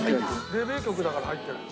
デビュー曲だから入ってないの？